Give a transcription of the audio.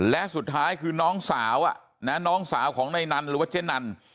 และสุดท้ายคือน้องสาวน้องสาวของนายนันหรือว่าเจ๊นัน